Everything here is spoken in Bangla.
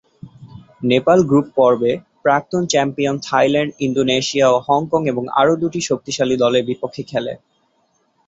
নেপাল গ্রুপ পর্বে প্রাক্তন চ্যাম্পিয়ন থাইল্যান্ড, ইন্দোনেশিয়া ও হংকং এবং আরও দুটি শক্তিশালী দলের বিপক্ষে খেলে।